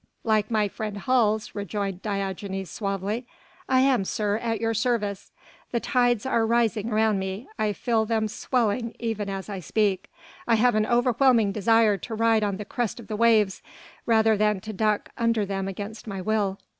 "Like my friend Hals," rejoined Diogenes suavely, "I am, sir, at your service. The tides are rising around me, I feel them swelling even as I speak. I have an overwhelming desire to ride on the crest of the waves, rather than to duck under them against my will."